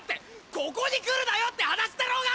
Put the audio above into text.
ここに来るなよって話だろうが！